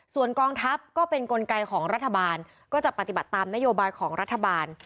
ส่วนกองทัพก็เป็นกลไกของรัฐบาลก็จะปฏิบัติตามนโยบายของรัฐบาล